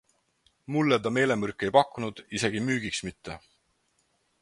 Mulle ta meelemürke ei pakkunud, isegi müügiks mitte.